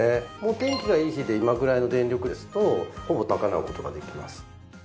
天気がいい日で今ぐらいの電力ですとほぼ賄うことができます。